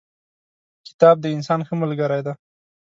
کتاب د انسان ښه ملګری دی.